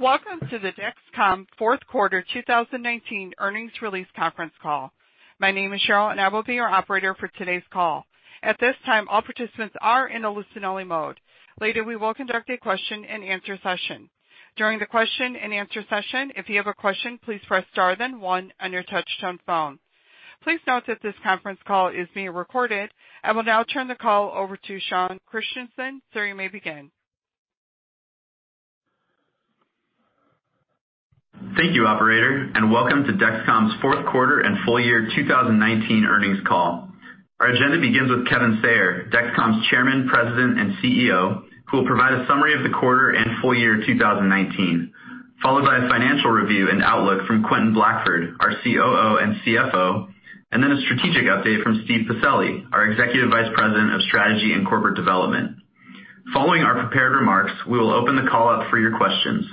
Welcome to the Dexcom Q4 2019 Earnings Release Conference Call. My name is Cheryl, and I will be your operator for today's call. At this time, all participants are in a listen-only mode. Later, we will conduct a question and answer session. During the question and answer session, if you have a question, please press star then one on your touch-tone phone. Please note that this conference call is being recorded. I will now turn the call over to Sean Christensen. Sir, you may begin. Thank you, operator, and welcome to Dexcom's Q4 and Full Year 2019 Earnings Call. Our agenda begins with Kevin Sayer, Dexcom's Chairman, President, and CEO, who will provide a summary of the quarter and full year 2019, followed by a financial review and outlook from Quentin Blackford, our COO and CFO, and then a strategic update from Steven Pacelli, our Executive Vice President of Strategy and Corporate Development. Following our prepared remarks, we will open the call up for your questions.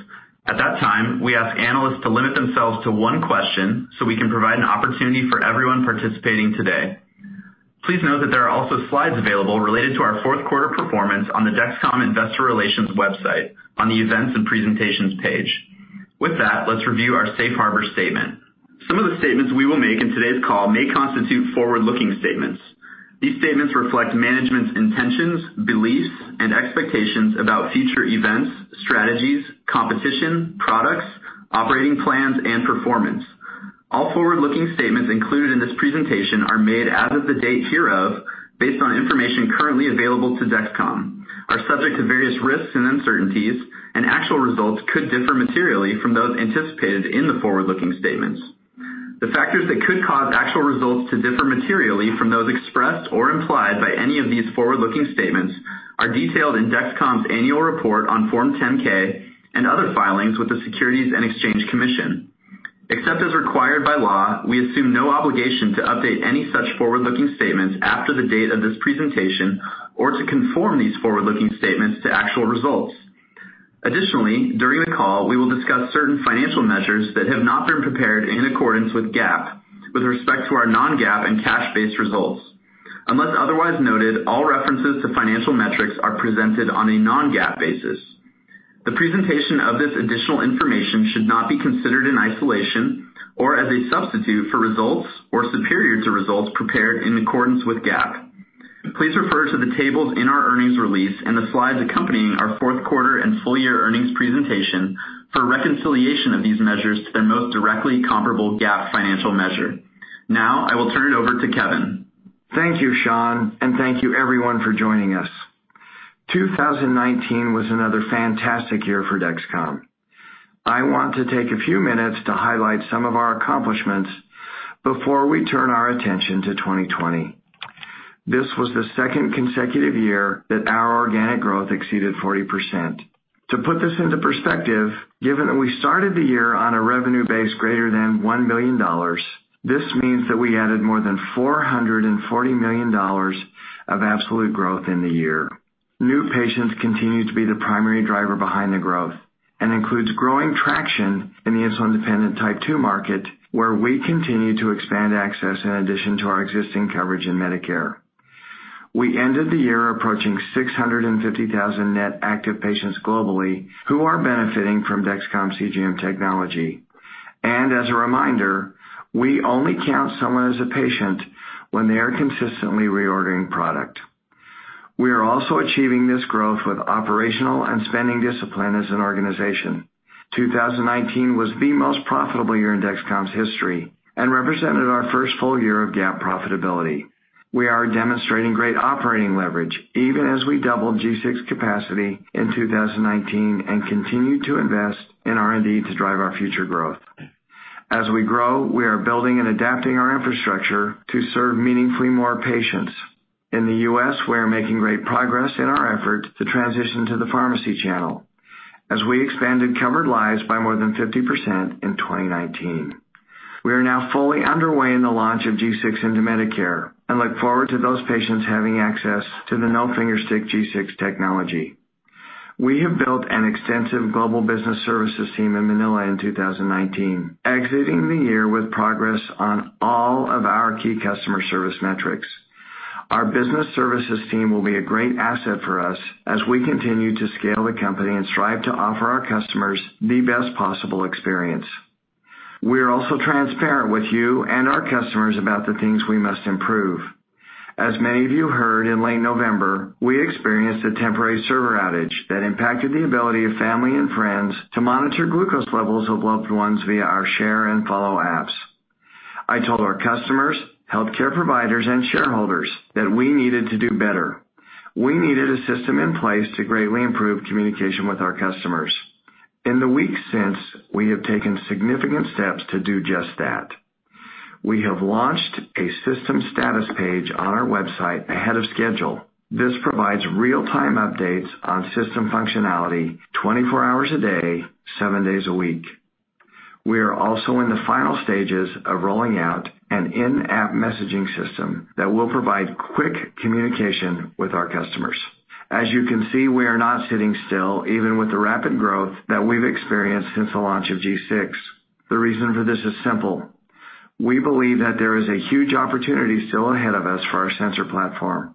At that time, we ask analysts to limit themselves to one question so we can provide an opportunity for everyone participating today. Please note that there are also slides available related to our Q4 performance on the Dexcom Investor Relations website on the Events and Presentations page. With that, let's review our safe harbor statement. Some of the statements we will make in today's call may constitute forward-looking statements. These statements reflect management's intentions, beliefs, and expectations about future events, strategies, competition, products, operating plans, and performance. All forward-looking statements included in this presentation are made as of the date hereof based on information currently available to Dexcom, are subject to various risks and uncertainties, and actual results could differ materially from those anticipated in the forward-looking statements. The factors that could cause actual results to differ materially from those expressed or implied by any of these forward-looking statements are detailed in Dexcom's annual report on Form 10-K and other filings with the Securities and Exchange Commission. Except as required by law, we assume no obligation to update any such forward-looking statements after the date of this presentation or to conform these forward-looking statements to actual results. Additionally, during the call, we will discuss certain financial measures that have not been prepared in accordance with GAAP with respect to our non-GAAP and cash-based results. Unless otherwise noted, all references to financial metrics are presented on a non-GAAP basis. The presentation of this additional information should not be considered in isolation or as a substitute for results or superior to results prepared in accordance with GAAP. Please refer to the tables in our earnings release and the slides accompanying our Q4 and full-year earnings presentation for a reconciliation of these measures to their most directly comparable GAAP financial measure. Now I will turn it over to Kevin. Thank you, Sean, and thank you everyone for joining us. 2019 was another fantastic year for Dexcom. I want to take a few minutes to highlight some of our accomplishments before we turn our attention to 2020. This was the second consecutive year that our organic growth exceeded 40%. To put this into perspective, given that we started the year on a revenue base greater than $1 million, this means that we added more than $440 million of absolute growth in the year. New patients continue to be the primary driver behind the growth and includes growing traction in the insulin-dependent Type 2 market, where we continue to expand access in addition to our existing coverage in Medicare. We ended the year approaching 650,000 net active patients globally who are benefiting from Dexcom CGM technology. As a reminder, we only count someone as a patient when they are consistently reordering product. We are also achieving this growth with operational and spending discipline as an organization. 2019 was the most profitable year in Dexcom's history and represented our first full year of GAAP profitability. We are demonstrating great operating leverage, even as we doubled G6 capacity in 2019 and continue to invest in R&D to drive our future growth. As we grow, we are building and adapting our infrastructure to serve meaningfully more patients. In the U.S., we are making great progress in our effort to transition to the pharmacy channel as we expanded covered lives by more than 50% in 2019. We are now fully underway in the launch of G6 into Medicare and look forward to those patients having access to the no-finger stick G6 technology. We have built an extensive global business services team in Manila in 2019, exiting the year with progress on all of our key customer service metrics. Our business services team will be a great asset for us as we continue to scale the company and strive to offer our customers the best possible experience. We are also transparent with you and our customers about the things we must improve. As many of you heard in late November, we experienced a temporary server outage that impacted the ability of family and friends to monitor glucose levels of loved ones via our Share and Follow apps. I told our customers, healthcare providers, and shareholders that we needed to do better. We needed a system in place to greatly improve communication with our customers. In the weeks since, we have taken significant steps to do just that. We have launched a system status page on our website ahead of schedule. This provides real-time updates on system functionality 24 hours a day, seven days a week. We are also in the final stages of rolling out an in-app messaging system that will provide quick communication with our customers. As you can see, we are not sitting still, even with the rapid growth that we've experienced since the launch of G6. The reason for this is simple. We believe that there is a huge opportunity still ahead of us for our sensor platform.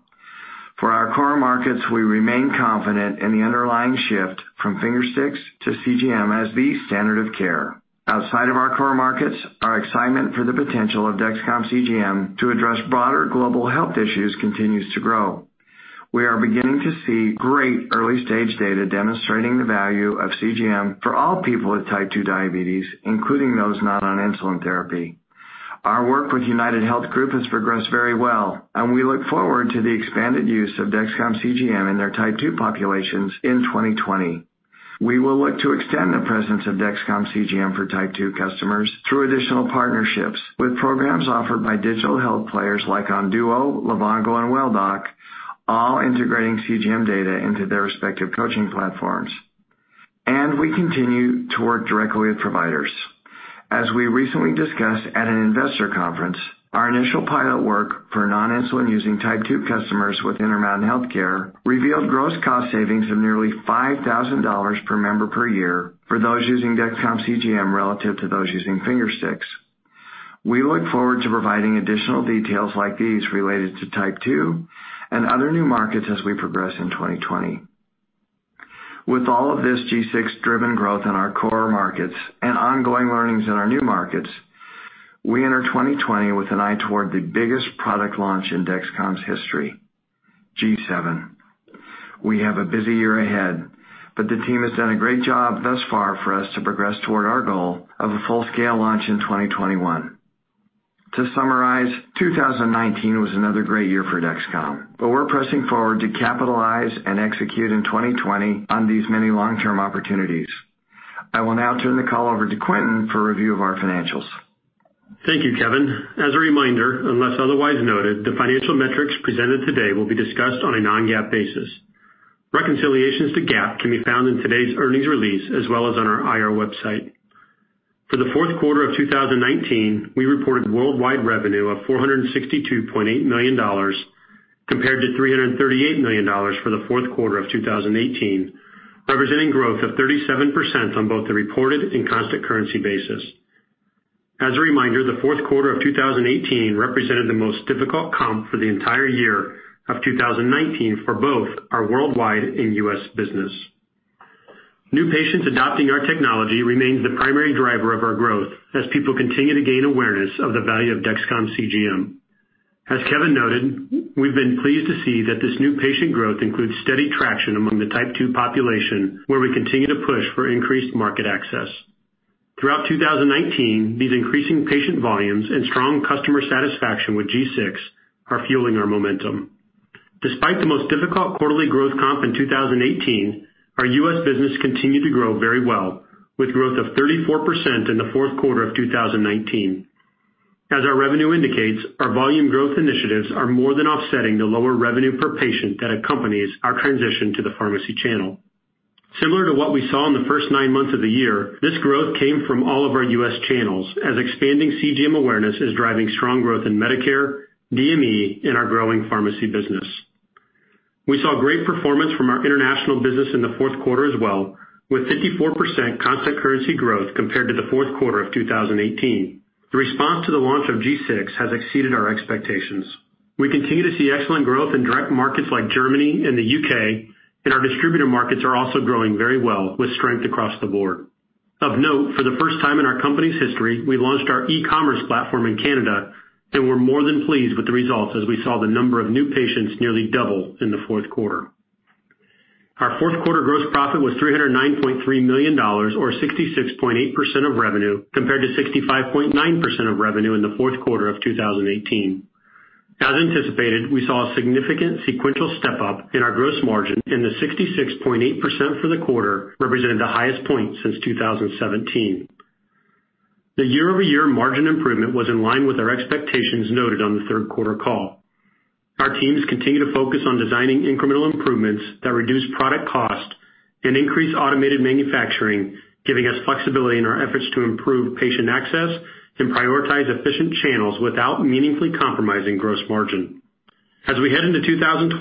For our core markets, we remain confident in the underlying shift from finger sticks to CGM as the standard of care. Outside of our core markets, our excitement for the potential of Dexcom CGM to address broader global health issues continues to grow. We are beginning to see great early-stage data demonstrating the value of CGM for all people with Type 2 diabetes, including those not on insulin therapy. Our work with UnitedHealth Group has progressed very well, and we look forward to the expanded use of Dexcom CGM in their Type 2 populations in 2020. We will look to extend the presence of Dexcom CGM for Type 2 customers through additional partnerships with programs offered by digital health players like Onduo, Livongo, and WellDoc, all integrating CGM data into their respective coaching platforms. We continue to work directly with providers. As we recently discussed at an investor conference, our initial pilot work for non-insulin-using Type 2 customers with Intermountain Healthcare revealed gross cost savings of nearly $5,000 per member per year for those using Dexcom CGM relative to those using finger sticks. We look forward to providing additional details like these related to Type 2 and other new markets as we progress in 2020. With all of this G6-driven growth in our core markets and ongoing learnings in our new markets, we enter 2020 with an eye toward the biggest product launch in Dexcom's history, G7. We have a busy year ahead, but the team has done a great job thus far for us to progress toward our goal of a full-scale launch in 2021. To summarize, 2019 was another great year for Dexcom, but we're pressing forward to capitalize and execute in 2020 on these many long-term opportunities. I will now turn the call over to Quentin for a review of our financials. Thank you, Kevin. As a reminder, unless otherwise noted, the financial metrics presented today will be discussed on a non-GAAP basis. Reconciliations to GAAP can be found in today's earnings release as well as on our IR website. For the Q4 of 2019, we reported worldwide revenue of $462.8 million, compared to $338 million for the Q4 of 2018, representing growth of 37% on both the reported and constant currency basis. As a reminder, the Q4 of 2018 represented the most difficult comp for the entire year of 2019 for both our worldwide and U.S. business. New patients adopting our technology remains the primary driver of our growth as people continue to gain awareness of the value of Dexcom CGM. As Kevin noted, we've been pleased to see that this new patient growth includes steady traction among the Type 2 population, where we continue to push for increased market access. Throughout 2019, these increasing patient volumes and strong customer satisfaction with G6 are fueling our momentum. Despite the most difficult quarterly growth comp in 2018, our U.S. business continued to grow very well, with growth of 34% in the Q4 of 2019. As our revenue indicates, our volume growth initiatives are more than offsetting the lower revenue per patient that accompanies our transition to the pharmacy channel. Similar to what we saw in the first nine months of the year, this growth came from all of our U.S. channels as expanding CGM awareness is driving strong growth in Medicare, DME, and our growing pharmacy business. We saw great performance from our international business in the Q4 as well, with 54% constant currency growth compared to the Q4 of 2018. The response to the launch of G6 has exceeded our expectations. We continue to see excellent growth in direct markets like Germany and the U.K., and our distributor markets are also growing very well with strength across the board. Of note, for the first time in our company's history, we launched our e-commerce platform in Canada, and we're more than pleased with the results as we saw the number of new patients nearly double in the Q4. Our Q4 gross profit was $309.3 million or 66.8% of revenue compared to 65.9% of revenue in the Q4 of 2018. As anticipated, we saw a significant sequential step-up in our gross margin, and the 66.8% for the quarter represented the highest point since 2017. The year-over-year margin improvement was in line with our expectations noted on the Q3 call. Our teams continue to focus on designing incremental improvements that reduce product cost and increase automated manufacturing, giving us flexibility in our efforts to improve patient access and prioritize efficient channels without meaningfully compromising gross margin. As we head into 2020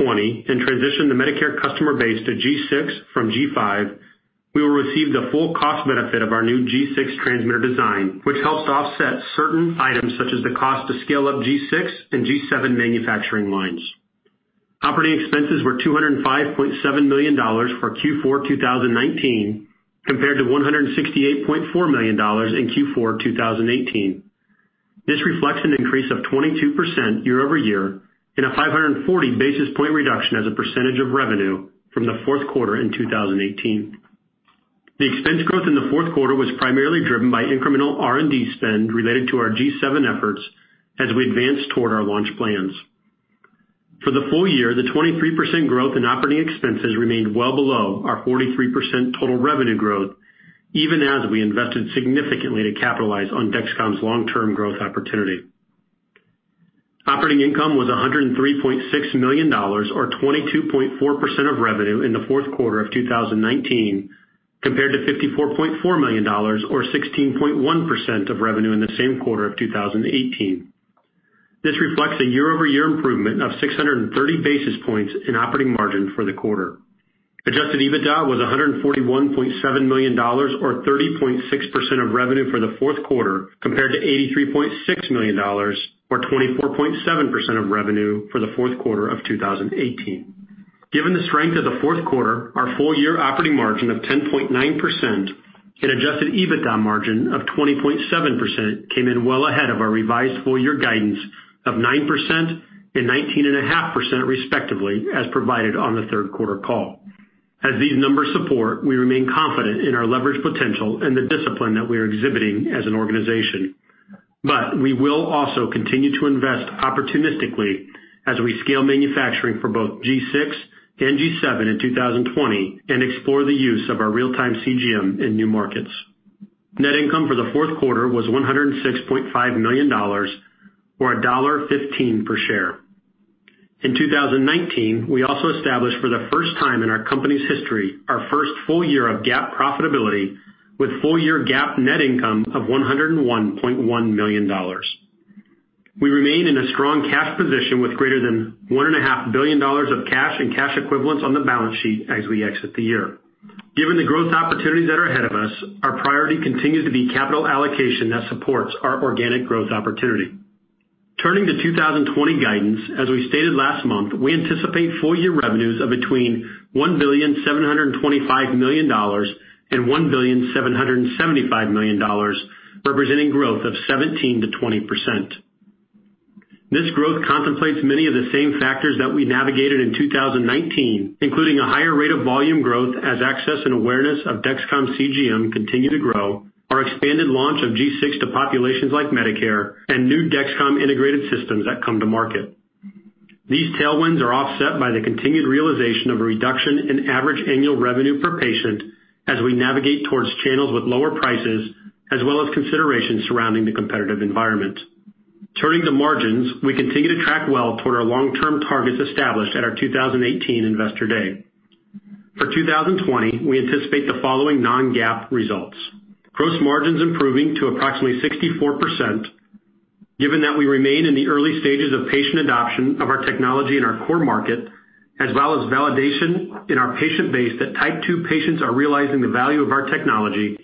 and transition the Medicare customer base to G6 from G5, we will receive the full cost benefit of our new G6 transmitter design, which helps to offset certain items such as the cost to scale up G6 and G7 manufacturing lines. Operating expenses were $205.7 million for Q4 2019, compared to $168.4 million in Q4 2018. This reflects an increase of 22% year-over-year and a 540-basis point reduction as a percentage of revenue from the Q4 in 2018. The expense growth in the Q4 was primarily driven by incremental R&D spend related to our G7 efforts as we advance toward our launch plans. For the full year, the 23% growth in operating expenses remained well below our 43% total revenue growth, even as we invested significantly to capitalize on Dexcom's long-term growth opportunity. Operating income was $103.6 million or 22.4% of revenue in the Q4 of 2019, compared to $54.4 million or 16.1% of revenue in the same quarter of 2018. This reflects a year-over-year improvement of 630 basis points in operating margin for the quarter. Adjusted EBITDA was $141.7 million, or 30.6% of revenue for the Q4, compared to $83.6 million, or 24.7% of revenue for the Q4 of 2018. Given the strength of the Q4, our full-year operating margin of 10.9% and adjusted EBITDA margin of 20.7% came in well ahead of our revised full-year guidance of 9% and 19.5% respectively, as provided on the Q3 call. We will also continue to invest opportunistically as we scale manufacturing for both G6 and G7 in 2020, and explore the use of our real-time CGM in new markets. Net income for the Q4 was $106.5 million, or $1.15 per share. In 2019, we also established for the first time in our company's history, our first full year of GAAP profitability with full-year GAAP net income of $101.1 million. We remain in a strong cash position with greater than $1.5 billion of cash and cash equivalents on the balance sheet as we exit the year. Given the growth opportunities that are ahead of us, our priority continues to be capital allocation that supports our organic growth opportunity. Turning to 2020 guidance, as we stated last month, we anticipate full-year revenues of between $1.725 billion and $1.775 billion, representing growth of 17%-20%. This growth contemplates many of the same factors that we navigated in 2019, including a higher rate of volume growth as access and awareness of Dexcom CGM continue to grow, our expanded launch of G6 to populations like Medicare, and new Dexcom integrated systems that come to market. These tailwinds are offset by the continued realization of a reduction in average annual revenue per patient as we navigate towards channels with lower prices, as well as considerations surrounding the competitive environment. Turning to margins, we continue to track well toward our long-term targets established at our 2018 Investor Day. For 2020, we anticipate the following non-GAAP results. Gross margins improving to approximately 64%. Given that we remain in the early stages of patient adoption of our technology in our core market, as well as validation in our patient base that type 2 patients are realizing the value of our technology,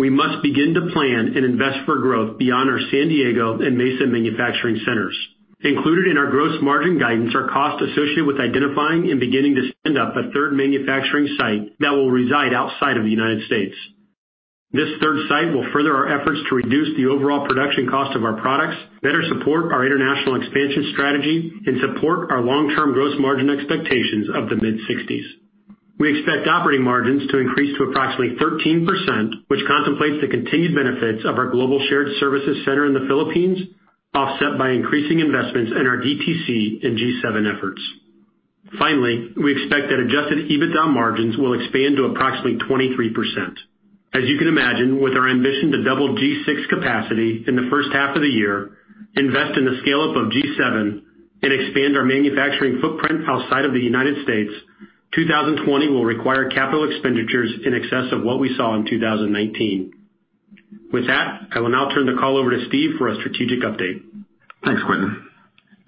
we must begin to plan and invest for growth beyond our San Diego and Mesa manufacturing centers. Included in our gross margin guidance are costs associated with identifying and beginning to stand up a third manufacturing site that will reside outside of the U.S. This third site will further our efforts to reduce the overall production cost of our products, better support our international expansion strategy, and support our long-term gross margin expectations of the mid-60s. We expect operating margins to increase to approximately 13%, which contemplates the continued benefits of our global shared services center in the Philippines, offset by increasing investments in our DTC and G7 efforts. Finally, we expect that adjusted EBITDA margins will expand to approximately 23%. As you can imagine, with our ambition to double G6 capacity in the first half of the year, invest in the scale-up of G7, and expand our manufacturing footprint outside of the United States, 2020 will require capital expenditures in excess of what we saw in 2019. With that, I will now turn the call over to Steven for a strategic update. Thanks, Quentin.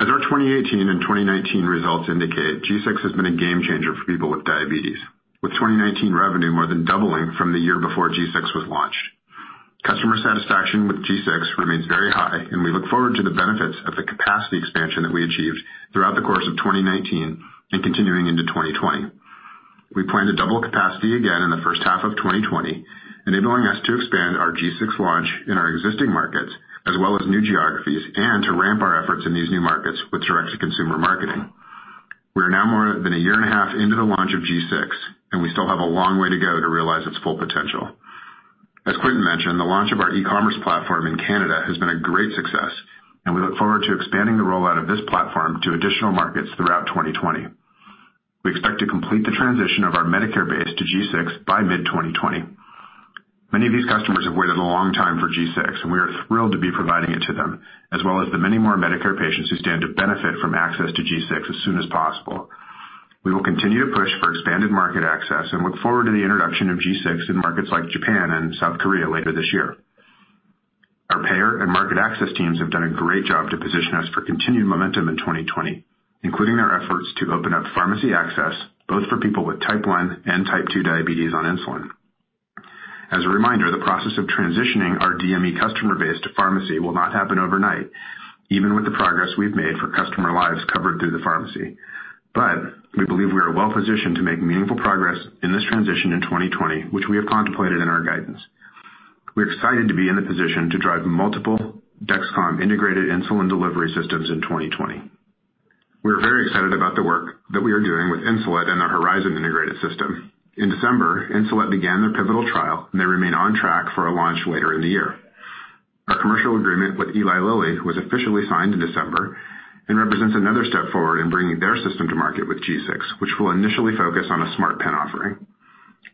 As our 2018 and 2019 results indicate, G6 has been a game changer for people with diabetes, with 2019 revenue more than doubling from the year before G6 was launched. Customer satisfaction with G6 remains very high, and we look forward to the benefits of the capacity expansion that we achieved throughout the course of 2019 and continuing into 2020. We plan to double capacity again in the first half of 2020, enabling us to expand our G6 launch in our existing markets as well as new geographies, and to ramp our efforts in these new markets with direct-to-consumer marketing. We are now more than one and a half into the launch of G6, and we still have a long way to go to realize its full potential. As Quentin mentioned, the launch of our e-commerce platform in Canada has been a great success, and we look forward to expanding the rollout of this platform to additional markets throughout 2020. We expect to complete the transition of our Medicare base to G6 by mid-2020. Many of these customers have waited a long time for G6, and we are thrilled to be providing it to them, as well as the many more Medicare patients who stand to benefit from access to G6 as soon as possible. We will continue to push for expanded market access and look forward to the introduction of G6 in markets like Japan and South Korea later this year. Our payer and market access teams have done a great job to position us for continued momentum in 2020, including their efforts to open up pharmacy access, both for people with type 1 and type 2 diabetes on insulin. As a reminder, the process of transitioning our DME customer base to pharmacy will not happen overnight, even with the progress we've made for customer lives covered through the pharmacy. We believe we are well-positioned to make meaningful progress in this transition in 2020, which we have contemplated in our guidance. We're excited to be in the position to drive multiple Dexcom integrated insulin delivery systems in 2020. We're very excited about the work that we are doing with Insulet and their Horizon integrated system. In December, Insulet began their pivotal trial, and they remain on track for a launch later in the year. Our commercial agreement with Eli Lilly was officially signed in December and represents another step forward in bringing their system to market with G6, which will initially focus on a smart pen offering.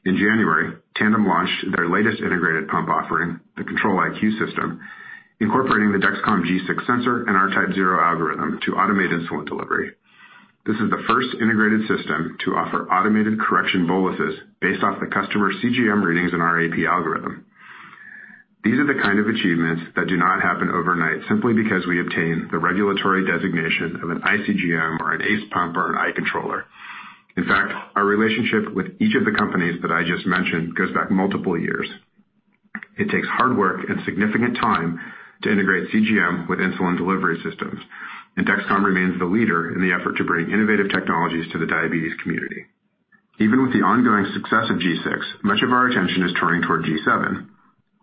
In January, Tandem launched their latest integrated pump offering, the Control-IQ system, incorporating the Dexcom G6 sensor and our TypeZero algorithm to automate insulin delivery. This is the first integrated system to offer automated correction boluses based off the customer CGM readings in our AP algorithm. These are the kind of achievements that do not happen overnight simply because we obtain the regulatory designation of an iCGM or an ACE pump or an iController. In fact, our relationship with each of the companies that I just mentioned goes back multiple years. It takes hard work and significant time to integrate CGM with insulin delivery systems, and Dexcom remains the leader in the effort to bring innovative technologies to the diabetes community. Even with the ongoing success of G6, much of our attention is turning toward G7.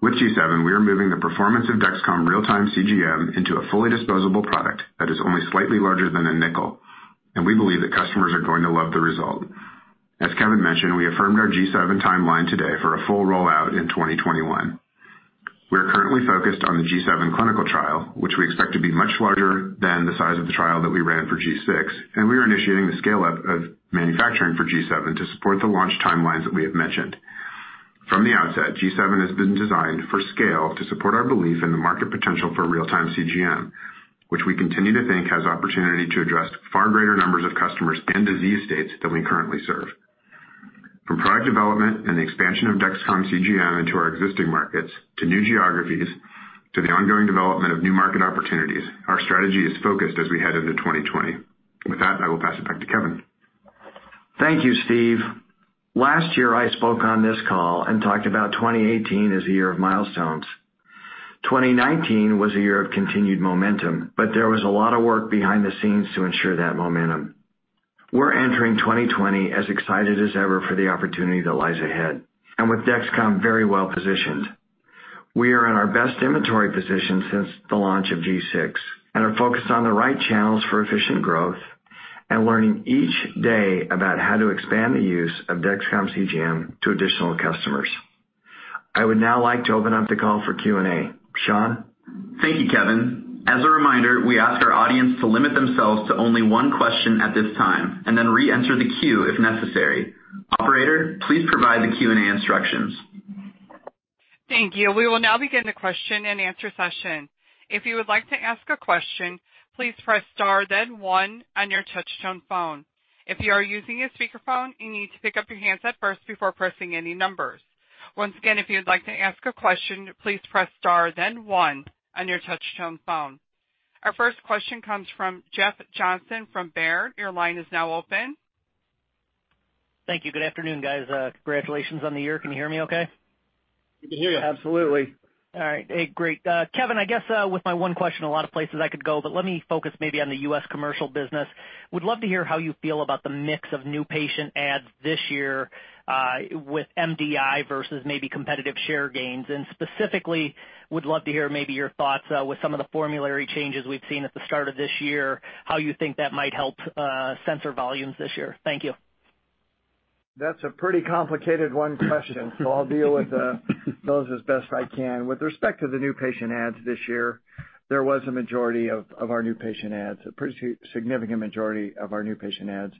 With G7, we are moving the performance of Dexcom real-time CGM into a fully disposable product that is only slightly larger than a nickel, and we believe that customers are going to love the result. As Kevin mentioned, we affirmed our G7 timeline today for a full rollout in 2021. We are currently focused on the G7 clinical trial, which we expect to be much larger than the size of the trial that we ran for G6, and we are initiating the scale-up of manufacturing for G7 to support the launch timelines that we have mentioned. From the outset, G7 has been designed for scale to support our belief in the market potential for real-time CGM, which we continue to think has opportunity to address far greater numbers of customers and disease states than we currently serve. From product development and the expansion of Dexcom CGM into our existing markets, to new geographies, to the ongoing development of new market opportunities, our strategy is focused as we head into 2020. With that, I will pass it back to Kevin. Thank you, Steve. Last year, I spoke on this call and talked about 2018 as a year of milestones. 2019 was a year of continued momentum, but there was a lot of work behind the scenes to ensure that momentum. We're entering 2020 as excited as ever for the opportunity that lies ahead, and with Dexcom very well-positioned. We are in our best inventory position since the launch of G6 and are focused on the right channels for efficient growth and learning each day about how to expand the use of Dexcom CGM to additional customers. I would now like to open up the call for Q&A. Sean? Thank you, Kevin. As a reminder, we ask our audience to limit themselves to only one question at this time, and then reenter the queue if necessary. Operator, please provide the Q&A instructions. Thank you. We will now begin the question and answer session. If you would like to ask a question, please press star then one on your touchtone phone. If you are using a speakerphone, you need to pick up your handset first before pressing any numbers. Once again, if you'd like to ask a question, please press star then one on your touchtone phone. Our first question comes from Jeff Johnson from Baird. Your line is now open. Thank you. Good afternoon, guys. Congratulations on the year. Can you hear me okay? We can hear you, absolutely. All right. Great. Kevin, I guess with my one question, a lot of places I could go. Let me focus maybe on the U.S. commercial business. Would love to hear how you feel about the mix of new patient adds this year, with MDI versus maybe competitive share gains. Specifically, would love to hear maybe your thoughts with some of the formulary changes we've seen at the start of this year, how you think that might help sensor volumes this year. Thank you. That's a pretty complicated one question, so I'll deal with those as best I can. With respect to the new patient adds this year, there was a majority of our new patient adds, a pretty significant majority of our new patient adds,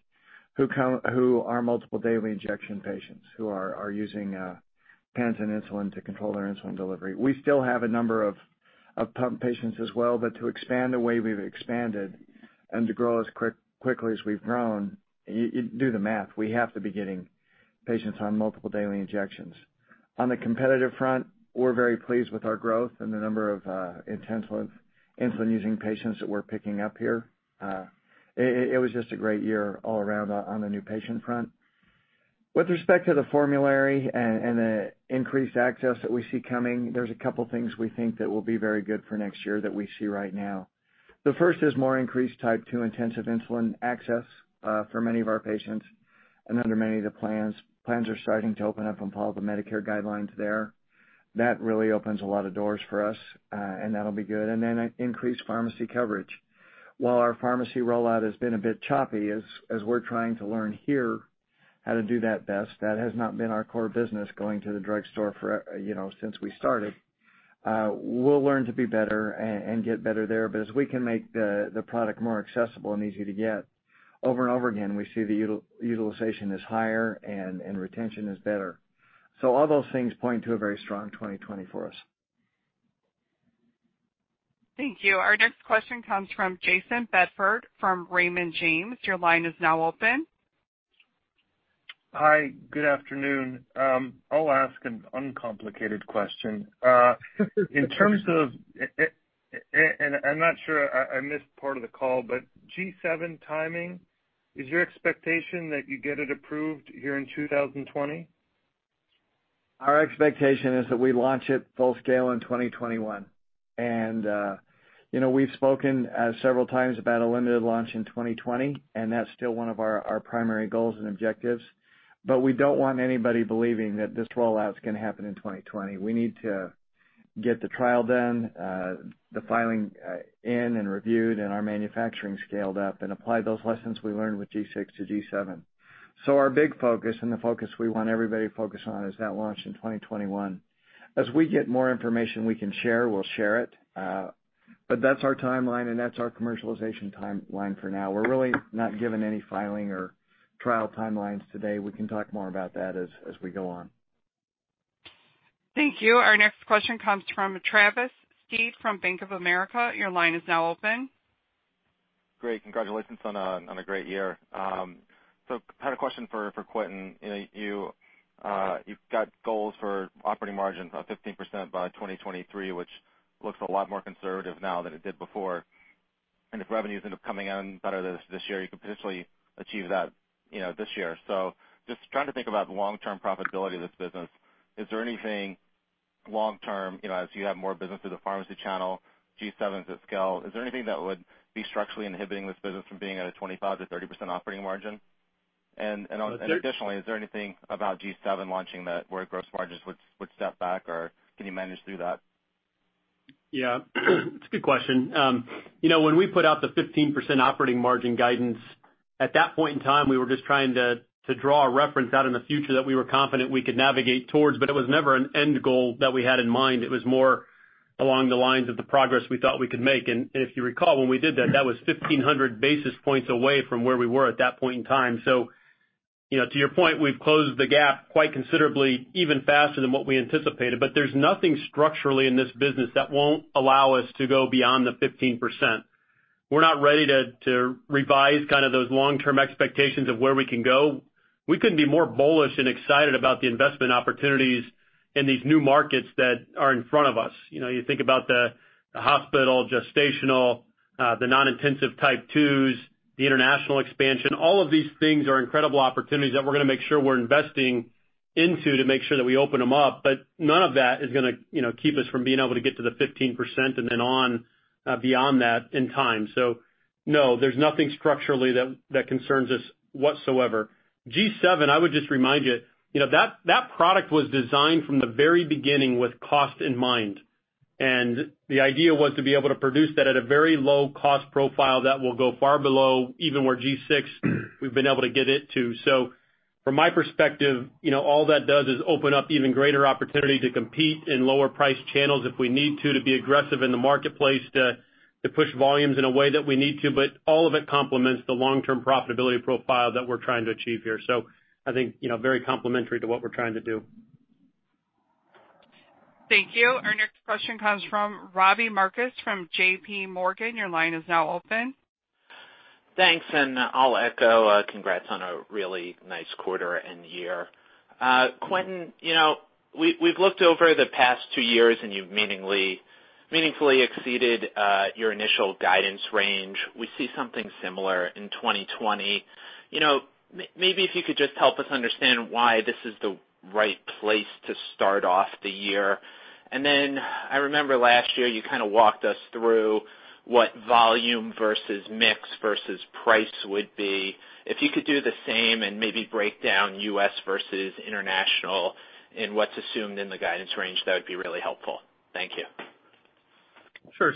who are multiple daily injection patients, who are using pens and insulin to control their insulin delivery. We still have a number of pump patients as well, but to expand the way we've expanded and to grow as quickly as we've grown, do the math. We have to be getting patients on multiple daily injections. On the competitive front, we're very pleased with our growth and the number of intensive insulin-using patients that we're picking up here. It was just a great year all around on the new patient front. With respect to the formulary and the increased access that we see coming, there's a couple things we think that will be very good for next year that we see right now. The first is more increased type 2 intensive insulin access for many of our patients, and under many of the plans. Plans are starting to open up on all the Medicare guidelines there. That really opens a lot of doors for us, that'll be good. Increased pharmacy coverage. While our pharmacy rollout has been a bit choppy as we're trying to learn here how to do that best, that has not been our core business, going to the drugstore since we started. We'll learn to be better and get better there. As we can make the product more accessible and easier to get, over and over again, we see the utilization is higher, and retention is better. All those things point to a very strong 2020 for us. Thank you. Our next question comes from Jayson Bedford from Raymond James. Your line is now open. Hi, good afternoon. I'll ask an uncomplicated question. And I'm not sure, I missed part of the call, but G7 timing, is your expectation that you get it approved here in 2020? Our expectation is that we launch it full scale in 2021. We've spoken several times about a limited launch in 2020, and that's still one of our primary goals and objectives. We don't want anybody believing that this rollout's gonna happen in 2020. We need to get the trial done, the filing in and reviewed, and our manufacturing scaled up, and apply those lessons we learned with G6 to G7. Our big focus and the focus we want everybody to focus on is that launch in 2021. As we get more information we can share, we'll share it. That's our timeline, and that's our commercialization timeline for now. We're really not giving any filing or trial timelines today. We can talk more about that as we go on. Thank you. Our next question comes from Travis Steed from Bank of America. Your line is now open. Great. Congratulations on a great year. Had a question for Quentin. You've got goals for operating margin of 15% by 2023, which looks a lot more conservative now than it did before. If revenues end up coming in better this year, you could potentially achieve that this year. Just trying to think about the long-term profitability of this business, is there anything long term, as you have more business through the pharmacy channel, G7's at scale, is there anything that would be structurally inhibiting this business from being at a 25%-30% operating margin? Additionally, is there anything about G7 launching that where gross margins would step back, or can you manage through that? It's a good question. When we put out the 15% operating margin guidance, at that point in time, we were just trying to draw a reference out in the future that we were confident we could navigate towards, but it was never an end goal that we had in mind. It was more along the lines of the progress we thought we could make. If you recall, when we did that was 1,500 basis points away from where we were at that point in time. To your point, we've closed the gap quite considerably, even faster than what we anticipated. There's nothing structurally in this business that won't allow us to go beyond the 15%. We're not ready to revise those long-term expectations of where we can go. We couldn't be more bullish and excited about the investment opportunities in these new markets that are in front of us. You think about the hospital, gestational, the non-intensive type 2s, the international expansion. All of these things are incredible opportunities that we're going to make sure we're investing into to make sure that we open them up. None of that is going to keep us from being able to get to the 15% and then on beyond that in time. No, there's nothing structurally that concerns us whatsoever. G7, I would just remind you, that product was designed from the very beginning with cost in mind, and the idea was to be able to produce that at a very low cost profile that will go far below even where G6 we've been able to get it to. From my perspective, all that does is open up even greater opportunity to compete in lower price channels if we need to be aggressive in the marketplace to push volumes in a way that we need to. All of it complements the long-term profitability profile that we're trying to achieve here. I think very complementary to what we're trying to do. Thank you. Our next question comes from Robbie Marcus from JPMorgan. Your line is now open. Thanks, and I'll echo congrats on a really nice quarter and year. Quentin, we've looked over the past two years, and you've meaningfully exceeded your initial guidance range. We see something similar in 2020. Maybe if you could just help us understand why this is the right place to start off the year. Then I remember last year you walked us through what volume versus mix versus price would be. If you could do the same and maybe break down U.S. versus international and what's assumed in the guidance range, that would be really helpful. Thank you. Sure.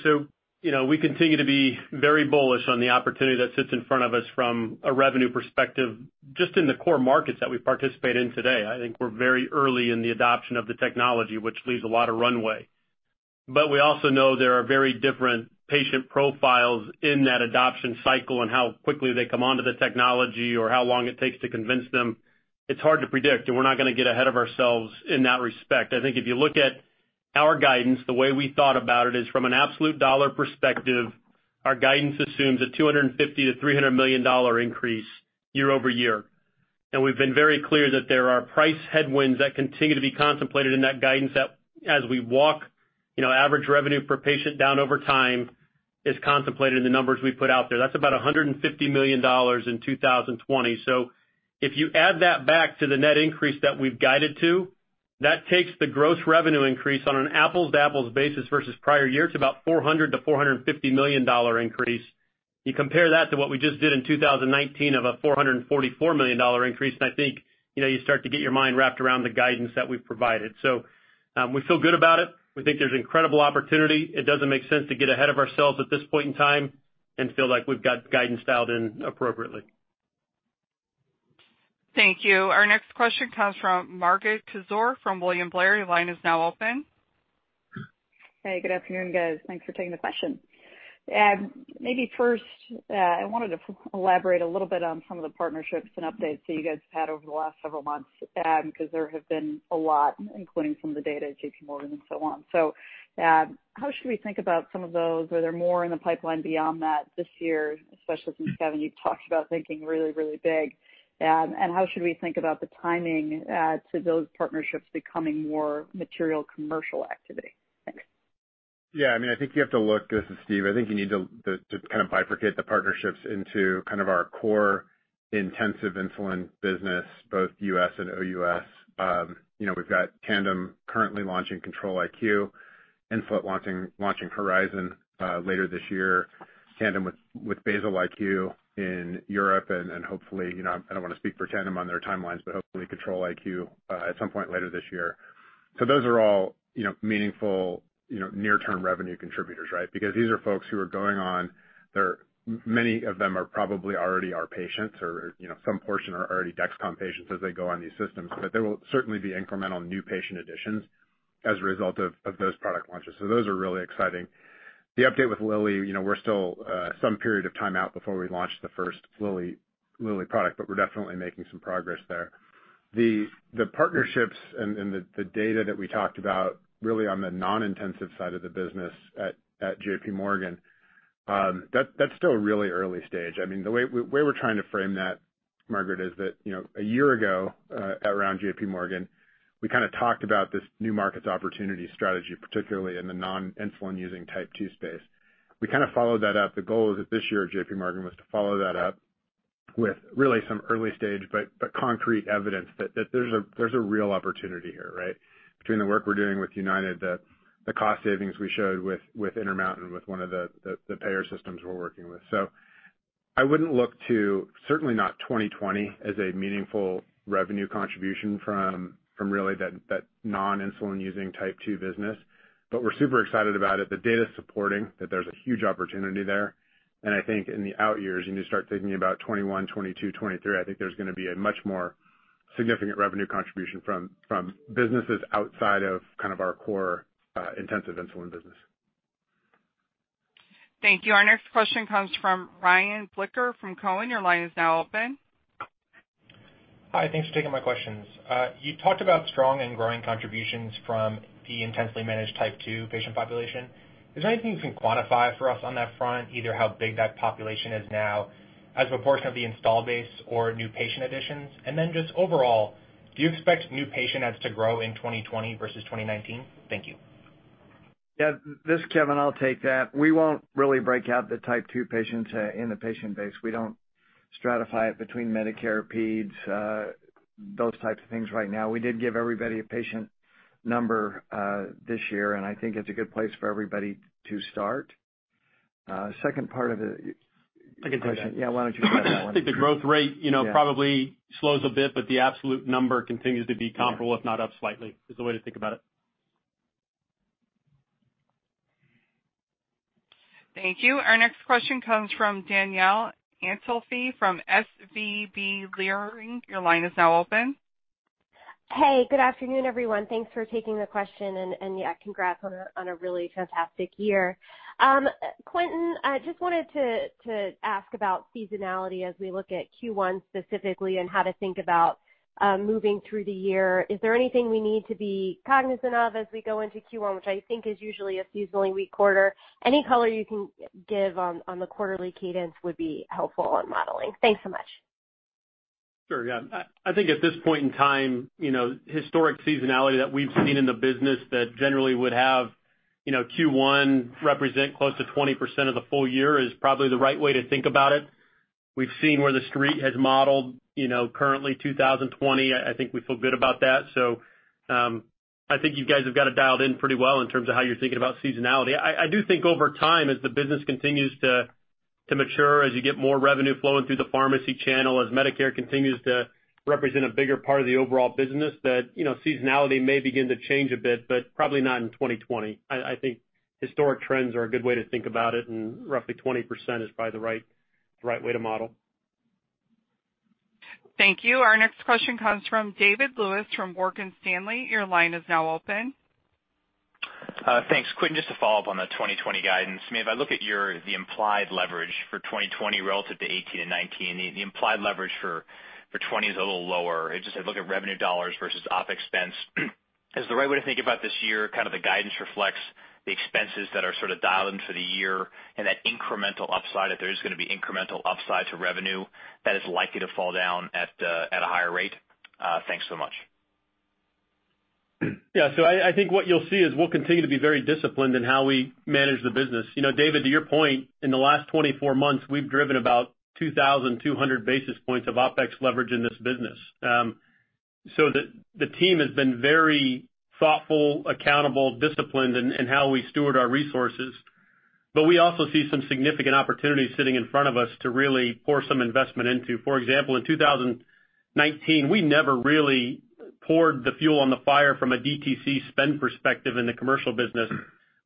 We continue to be very bullish on the opportunity that sits in front of us from a revenue perspective, just in the core markets that we participate in today. I think we're very early in the adoption of the technology, which leaves a lot of runway. We also know there are very different patient profiles in that adoption cycle and how quickly they come onto the technology or how long it takes to convince them. It's hard to predict, and we're not going to get ahead of ourselves in that respect. I think if you look at our guidance, the way we thought about it is from an absolute dollar perspective, our guidance assumes a $250 million-$300 million increase year-over-year. We've been very clear that there are price headwinds that continue to be contemplated in that guidance that as we walk average revenue per patient down over time is contemplated in the numbers we put out there. That's about $150 million in 2020. If you add that back to the net increase that we've guided to, that takes the gross revenue increase on an apples-to-apples basis versus prior years about $400 million-$450 million increase. Compare that to what we just did in 2019 of a $444 million increase, and I think you start to get your mind wrapped around the guidance that we've provided. We feel good about it. We think there's incredible opportunity. It doesn't make sense to get ahead of ourselves at this point in time and feel like we've got guidance dialed in appropriately. Thank you. Our next question comes from Margaret Kaczor from William Blair. Your line is now open. Hey, good afternoon, guys. Thanks for taking the question. Maybe first, I wanted to elaborate a little bit on some of the partnerships and updates that you guys have had over the last several months, because there have been a lot, including some of the data at JPMorgan and so on. How should we think about some of those? Are there more in the pipeline beyond that this year, especially since Kevin, you talked about thinking really, really big. How should we think about the timing to those partnerships becoming more material commercial activity? Thanks. Yeah, I think you have to look, this is Steve. I think you need to kind of bifurcate the partnerships into our core intensive insulin business, both U.S. and OUS. We've got Tandem currently launching Control-IQ, Insulet launching Horizon later this year, Tandem with Basal-IQ in Europe, and hopefully, I don't want to speak for Tandem on their timelines, but hopefully Control-IQ at some point later this year. Those are all meaningful near-term revenue contributors, right? These are folks who are going on, many of them are probably already our patients or some portion are already Dexcom patients as they go on these systems. There will certainly be incremental new patient additions as a result of those product launches. Those are really exciting. The update with Lilly, we're still some period of time out before we launch the first Lilly product, but we're definitely making some progress there. The partnerships and the data that we talked about really on the non-intensive side of the business at JPMorgan, that's still really early stage. The way we're trying to frame that, Margaret, is that a year ago, at around JPMorgan, we talked about this new markets opportunity strategy, particularly in the non-insulin using Type 2 space. We followed that up. The goal is that this year at JPMorgan was to follow that up with really some early stage, but concrete evidence that there's a real opportunity here, right, between the work we're doing with United, the cost savings we showed with Intermountain, with one of the payer systems we're working with. I wouldn't look to, certainly not 2020 as a meaningful revenue contribution from really that non-insulin using Type 2 business. We're super excited about it. The data's supporting that there's a huge opportunity there, and I think in the out years, when you start thinking about 2021, 2022, 2023, I think there's going to be a much more significant revenue contribution from businesses outside of our core intensive insulin business. Thank you. Our next question comes from Ryan Blicker from Cowen. Your line is now open. Hi, thanks for taking my questions. You talked about strong and growing contributions from the intensely managed Type 2 patient population. Is there anything you can quantify for us on that front, either how big that population is now as a portion of the install base or new patient additions? Just overall, do you expect new patient adds to grow in 2020 versus 2019? Thank you. Yeah, this is Kevin. I'll take that. We won't really break out the Type 2 patients in the patient base. We don't stratify it between Medicare, peds, those types of things right now. We did give everybody a patient number this year. I think it's a good place for everybody to start. I can take that. Yeah, why don't you try that one? I think the growth rate probably slows a bit, but the absolute number continues to be comparable. If not up slightly, is the way to think about it. Thank you. Our next question comes from Danielle Antalffy from SVB Leerink. Your line is now open. Hey, good afternoon, everyone. Thanks for taking the question. Yeah, congrats on a really fantastic year. Quentin, just wanted to ask about seasonality as we look at Q1 specifically, and how to think about moving through the year. Is there anything we need to be cognizant of as we go into Q1, which I think is usually a seasonally weak quarter? Any color you can give on the quarterly cadence would be helpful on modeling. Thanks so much. Sure. Yeah. I think at this point in time, historic seasonality that we've seen in the business that generally would have Q1 represent close to 20% of the full year is probably the right way to think about it. We've seen where the Street has modeled currently 2020. I think we feel good about that. I think you guys have got it dialed in pretty well in terms of how you're thinking about seasonality. I do think over time, as the business continues to mature, as you get more revenue flowing through the pharmacy channel, as Medicare continues to represent a bigger part of the overall business, that seasonality may begin to change a bit, but probably not in 2020. I think historic trends are a good way to think about it, and roughly 20% is probably the right way to model. Thank you. Our next question comes from David Lewis from Morgan Stanley. Your line is now open. Thanks. Quentin, just to follow up on the 2020 guidance. I mean, if I look at the implied leverage for 2020 relative to '18 and '19, the implied leverage for '20 is a little lower. I just look at revenue dollars versus op expense. Is the right way to think about this year, the guidance reflects the expenses that are sort of dialed in for the year, and that incremental upside, if there is going to be incremental upside to revenue, that is likely to fall down at a higher rate? Thanks so much. I think what you'll see is we'll continue to be very disciplined in how we manage the business. David, to your point, in the last 24 months, we've driven about 2,200 basis points of OpEx leverage in this business. The team has been very thoughtful, accountable, disciplined in how we steward our resources. But we also see some significant opportunities sitting in front of us to really pour some investment into. For example, in 2019, we never really poured the fuel on the fire from a DTC spend perspective in the commercial business.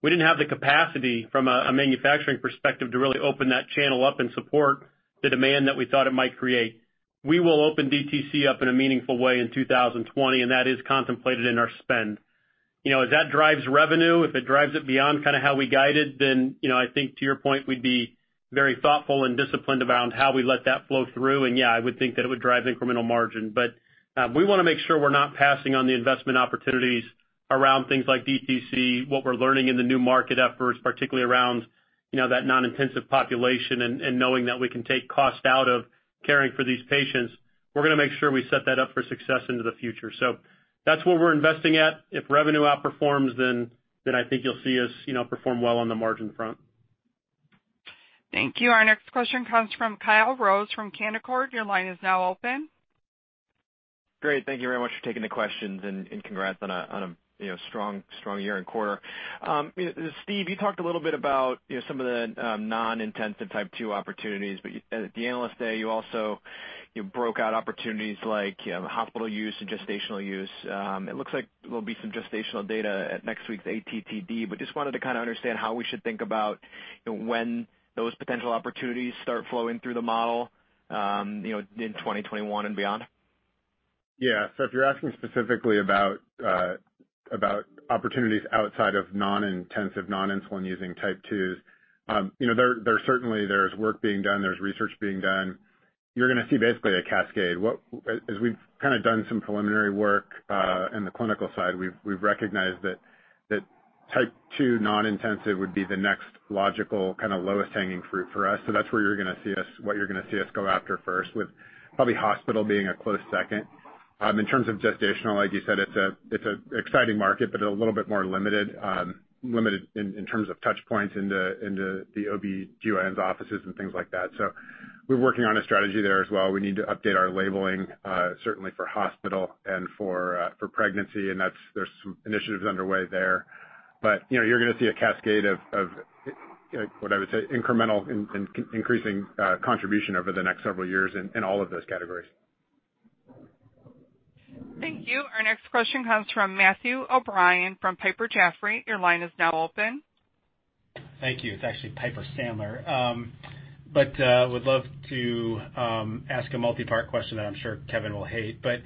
We didn't have the capacity from a manufacturing perspective to really open that channel up and support the demand that we thought it might create. We will open DTC up in a meaningful way in 2020, and that is contemplated in our spend. As that drives revenue, if it drives it beyond how we guide it, then I think to your point, we'd be very thoughtful and disciplined around how we let that flow through. Yeah, I would think that it would drive incremental margin. We want to make sure we're not passing on the investment opportunities around things like DTC, what we're learning in the new market efforts, particularly around that non-intensive population and knowing that we can take cost out of caring for these patients. We're going to make sure we set that up for success into the future. That's where we're investing at. If revenue outperforms, then I think you'll see us perform well on the margin front. Thank you. Our next question comes from Kyle Rose from Canaccord. Your line is now open. Great. Thank you very much for taking the questions and congrats on a strong year and quarter. Steve, you talked a little bit about some of the non-intensive Type 2 opportunities, but at the Analyst Day, you also broke out opportunities like hospital use and gestational use. It looks like there'll be some gestational data at next week's ATTD, but just wanted to understand how we should think about when those potential opportunities start flowing through the model in 2021 and beyond? Yeah. If you're asking specifically about opportunities outside of non-intensive, non-insulin using type 2s. There's work being done, there's research being done. You're going to see basically a cascade. As we've done some preliminary work in the clinical side, we've recognized that type 2 non-intensive would be the next logical lowest hanging fruit for us. That's what you're going to see us go after first, with probably hospital being a close second. In terms of gestational, like you said, it's an exciting market, but a little bit more limited in terms of touch points into the OBGYNs offices and things like that. We're working on a strategy there as well. We need to update our labeling, certainly for hospital and for pregnancy, there's some initiatives underway there. You're going to see a cascade of what I would say incremental increasing contribution over the next several years in all of those categories. Thank you. Our next question comes from Matthew O'Brien from Piper Sandler. Your line is now open. Thank you. It's actually Piper Sandler. Would love to ask a multipart question that I'm sure Kevin will hate, but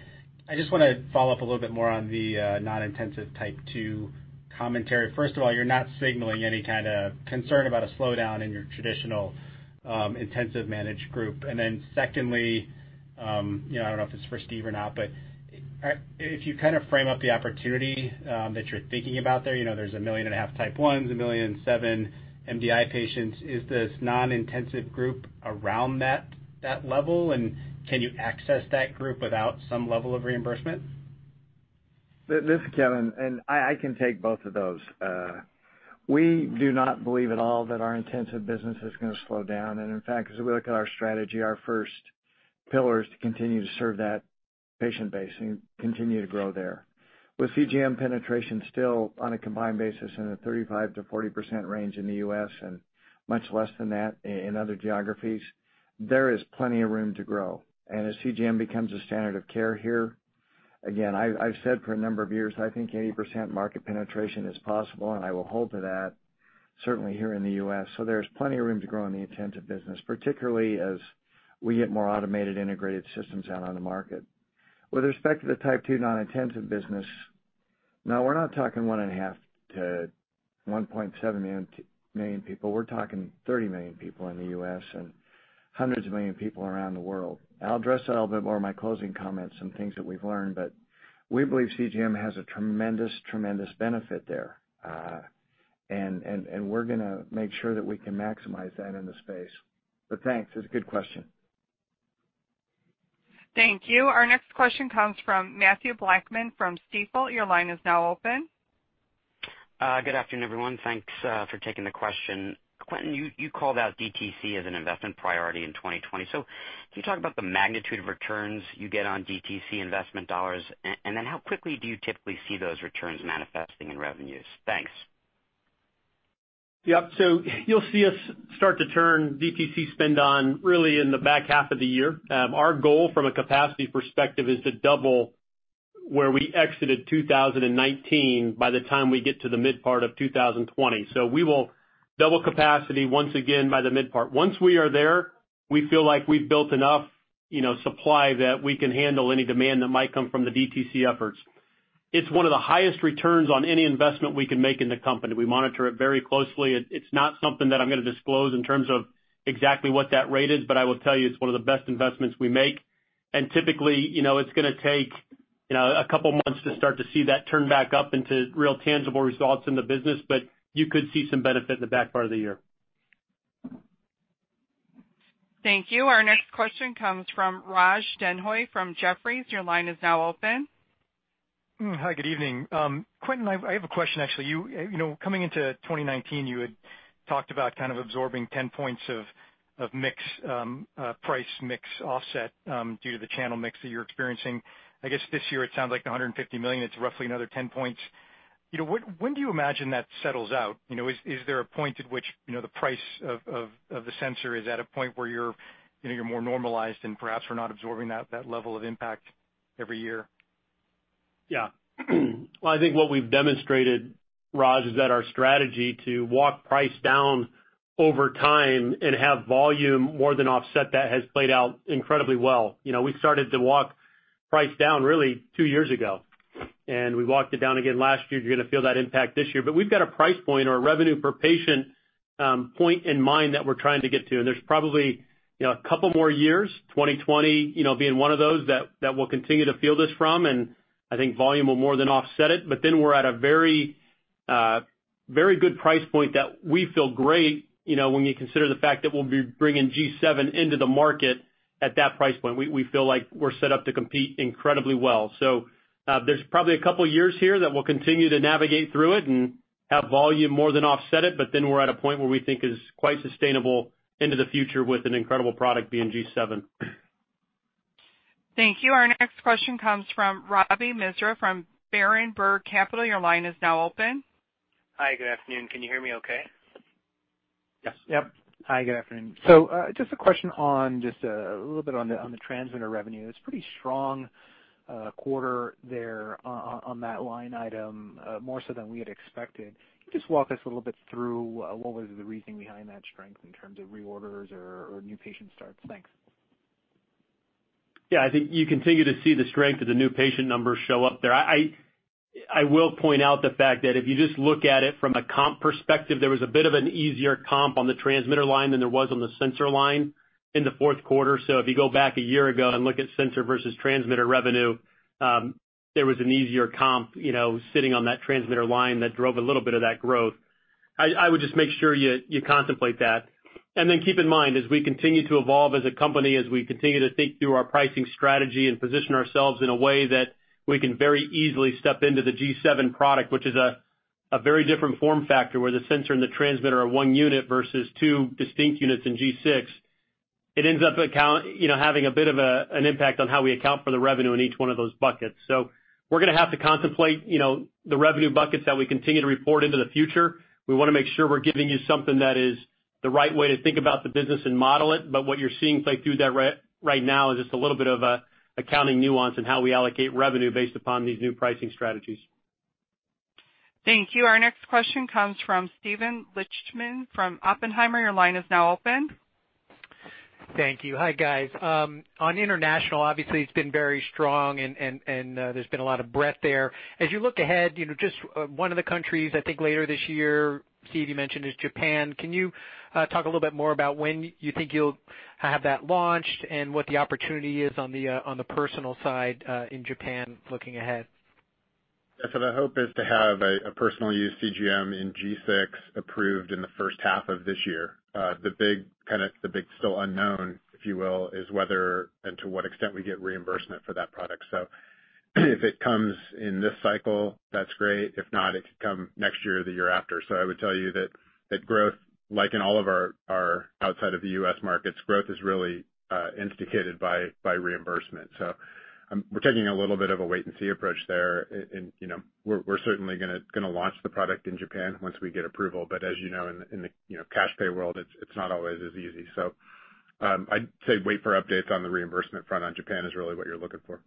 I just want to follow up a little bit more on the non-intensive type 2 commentary. First of all, you're not signaling any kind of concern about a slowdown in your traditional intensive managed group. Then secondly, I don't know if it's for Steven or not, but if you frame up the opportunity that you're thinking about there's a 1.5 million type 1s, a 1.7 million MDI patients. Is this non-intensive group around that level? Can you access that group without some level of reimbursement? This is Kevin. I can take both of those. We do not believe at all that our intensive business is going to slow down. In fact, as we look at our strategy, our first pillar is to continue to serve that patient base and continue to grow there. With CGM penetration still on a combined basis in the 35%-40% range in the U.S. and much less than that in other geographies, there is plenty of room to grow. As CGM becomes a standard of care here, again, I've said for a number of years, I think 80% market penetration is possible, and I will hold to that, certainly here in the U.S. There's plenty of room to grow in the intensive business, particularly as we get more automated, integrated systems out on the market. With respect to the type 2 non-intensive business, no, we're not talking one and a half to 1.7 million people. We're talking 30 million people in the U.S. and hundreds of million people around the world. I'll address that a little bit more in my closing comments, some things that we've learned, we believe CGM has a tremendous benefit there. We're going to make sure that we can maximize that in the space. Thanks. It's a good question. Thank you. Our next question comes from Mathew Blackman from Stifel. Your line is now open. Good afternoon, everyone. Thanks for taking the question. Quentin, you called out DTC as an investment priority in 2020. Can you talk about the magnitude of returns you get on DTC investment dollars? How quickly do you typically see those returns manifesting in revenues? Thanks. Yep. You'll see us start to turn DTC spend on really in the back half of the year. Our goal from a capacity perspective is to double where we exited 2019 by the time we get to the mid part of 2020. We will double capacity once again by the mid part. Once we are there, we feel like we've built enough supply that we can handle any demand that might come from the DTC efforts. It's one of the highest returns on any investment we can make in the company. We monitor it very closely. It's not something that I'm going to disclose in terms of exactly what that rate is, but I will tell you it's one of the best investments we make. Typically, it's going to take a couple of months to start to see that turn back up into real tangible results in the business. You could see some benefit in the back part of the year. Thank you. Our next question comes from Raj Denhoy from Jefferies. Your line is now open. Hi, good evening. Quentin, I have a question, actually. Coming into 2019, you had talked about kind of absorbing 10 points of price mix offset due to the channel mix that you're experiencing. I guess this year it sounds like the $150 million, it's roughly another 10 points. When do you imagine that settles out? Is there a point at which the price of the sensor is at a point where you're more normalized and perhaps we're not absorbing that level of impact every year? Yeah. Well, I think what we've demonstrated, Raj, is that our strategy to walk price down over time and have volume more than offset that has played out incredibly well. We started to walk price down really two years ago. We walked it down again last year. You're going to feel that impact this year. We've got a price point or a revenue per patient point in mind that we're trying to get to. There's probably a couple more years, 2020 being one of those that we'll continue to feel this from, and I think volume will more than offset it. We're at a very good price point that we feel great when we consider the fact that we'll be bringing G7 into the market at that price point. We feel like we're set up to compete incredibly well. There's probably a couple of years here that we'll continue to navigate through it and have volume more than offset it. We're at a point where we think is quite sustainable into the future with an incredible product being G7. Thank you. Our next question comes from Ravi Misra from Berenberg Capital. Your line is now open. Hi, good afternoon. Can you hear me okay? Yes. Hi, good afternoon. Just a question on, just a little bit on the transmitter revenue. It's a pretty strong quarter there on that line item, more so than we had expected. Can you just walk us a little bit through what was the reasoning behind that strength in terms of reorders or new patient starts? Thanks. Yeah, I think you continue to see the strength of the new patient numbers show up there. I will point out the fact that if you just look at it from a comp perspective, there was a bit of an easier comp on the transmitter line than there was on the sensor line in the Q4. If you go back a year ago and look at sensor versus transmitter revenue, there was an easier comp sitting on that transmitter line that drove a little bit of that growth. I would just make sure you contemplate that. Then keep in mind, as we continue to evolve as a company, as we continue to think through our pricing strategy and position ourselves in a way that we can very easily step into the G7 product, which is a very different form factor, where the sensor and the transmitter are one unit versus two distinct units in G6. It ends up having a bit of an impact on how we account for the revenue in each one of those buckets. We're going to have to contemplate the revenue buckets that we continue to report into the future. We want to make sure we're giving you something that is the right way to think about the business and model it. What you're seeing play through that right now is just a little bit of accounting nuance in how we allocate revenue based upon these new pricing strategies. Thank you. Our next question comes from Steven Lichtman from Oppenheimer. Your line is now open. Thank you. Hi, guys. On international, obviously, it's been very strong and there's been a lot of breadth there. As you look ahead, just one of the countries, I think later this year, Steven, you mentioned, is Japan. Can you talk a little bit more about when you think you'll have that launched and what the opportunity is on the personal side in Japan looking ahead? Yeah. The hope is to have a personal use CGM in G6 approved in the first half of this year. The big still unknown, if you will, is whether and to what extent we get reimbursement for that product. If it comes in this cycle, that's great. If not, it could come next year or the year after. I would tell you that growth, like in all of our outside of the U.S. markets, growth is really instigated by reimbursement. We're taking a little bit of a wait and see approach there. We're certainly going to launch the product in Japan once we get approval. As you know, in the cash pay world, it's not always as easy. I'd say wait for updates on the reimbursement front on Japan is really what you're looking for.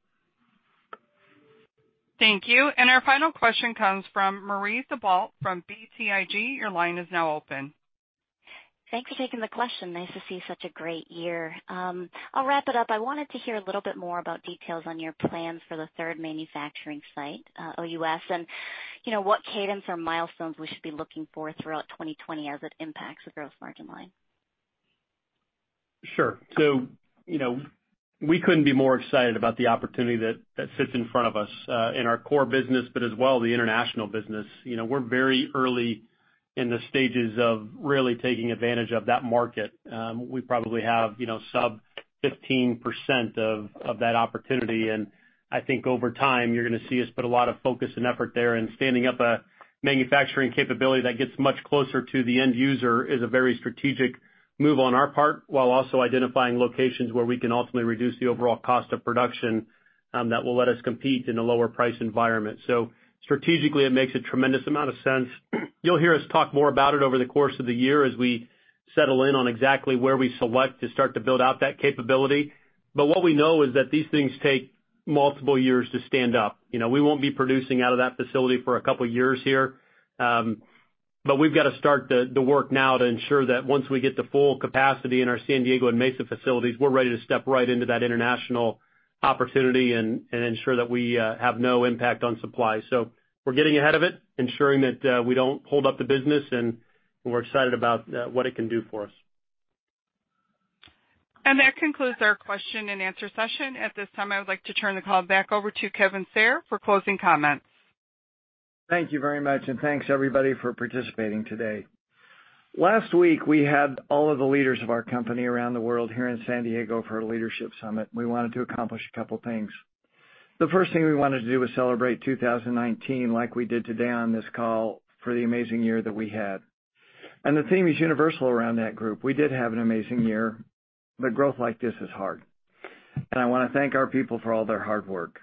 Thank you. Our final question comes from Marie Thibault from BTIG. Your line is now open. Thanks for taking the question. Nice to see such a great year. I'll wrap it up. I wanted to hear a little bit more about details on your plans for the third manufacturing site, OUS, and what cadence or milestones we should be looking for throughout 2020 as it impacts the gross margin line. Sure. We couldn't be more excited about the opportunity that sits in front of us, in our core business, but as well, the international business. We're very early in the stages of really taking advantage of that market. We probably have sub 15% of that opportunity. I think over time, you're going to see us put a lot of focus and effort there. Standing up a manufacturing capability that gets much closer to the end user is a very strategic move on our part, while also identifying locations where we can ultimately reduce the overall cost of production that will let us compete in a lower price environment. Strategically, it makes a tremendous amount of sense. You'll hear us talk more about it over the course of the year as we settle in on exactly where we select to start to build out that capability. What we know is that these things take multiple years to stand up. We won't be producing out of that facility for a couple of years here. We've got to start the work now to ensure that once we get to full capacity in our San Diego and Mesa facilities, we're ready to step right into that international opportunity and ensure that we have no impact on supply. We're getting ahead of it, ensuring that we don't hold up the business, and we're excited about what it can do for us. That concludes our question and answer session. At this time, I would like to turn the call back over to Kevin Sayer for closing comments. Thank you very much. Thanks everybody for participating today. Last week, we had all of the leaders of our company around the world here in San Diego for a leadership summit. We wanted to accomplish a couple things. The first thing we wanted to do was celebrate 2019 like we did today on this call for the amazing year that we had. The theme is universal around that group. We did have an amazing year. Growth like this is hard. I want to thank our people for all their hard work.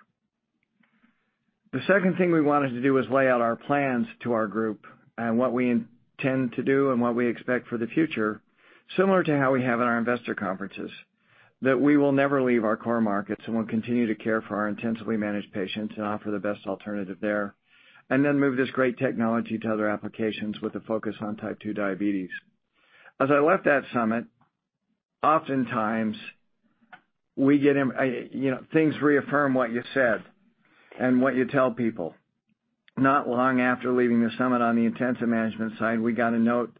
The second thing we wanted to do was lay out our plans to our group and what we intend to do and what we expect for the future, similar to how we have at our investor conferences. That we will never leave our core markets and we'll continue to care for our intensively managed patients and offer the best alternative there. Then move this great technology to other applications with a focus on type 2 diabetes. As I left that summit, oftentimes things reaffirm what you said and what you tell people. Not long after leaving the summit on the intensive management side, we got a note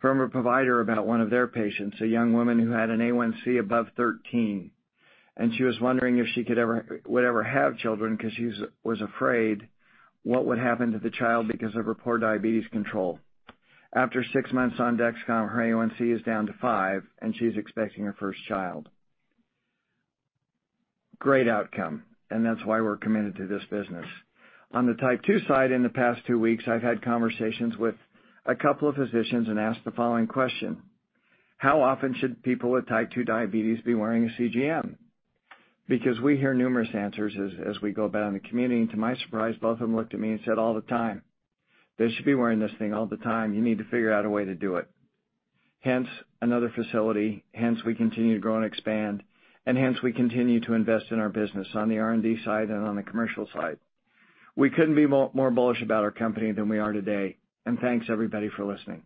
from a provider about one of their patients, a young woman who had an A1C above 13. She was wondering if she would ever have children because she was afraid what would happen to the child because of her poor diabetes control. After six months on Dexcom, her A1C is down to five, and she's expecting her first child. Great outcome, that's why we're committed to this business. On the type 2 side, in the past two weeks, I've had conversations with a couple of physicians and asked the following question. How often should people with type 2 diabetes be wearing a CGM? We hear numerous answers as we go about in the community, and to my surprise, both of them looked at me and said, "All the time. They should be wearing this thing all the time. You need to figure out a way to do it." Hence, another facility, hence we continue to grow and expand, and hence we continue to invest in our business on the R&D side and on the commercial side. We couldn't be more bullish about our company than we are today. Thanks everybody for listening.